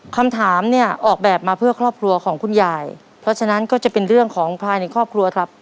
คำถามเนี่ยออกแบบมาเพื่อครอบครัวของคุณยายเพราะฉะนั้นก็จะเป็นเรื่องของภายในครอบครัวครับ